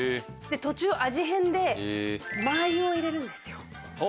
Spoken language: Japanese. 途中味変で。を入れるんですよ。